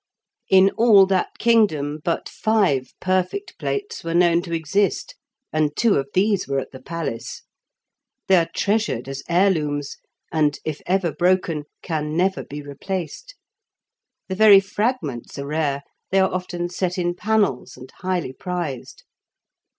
In all that kingdom but five perfect plates were known to exist, and two of these were at the palace. They are treasured as heirlooms, and, if ever broken, can never be replaced. The very fragments are rare; they are often set in panels, and highly prized.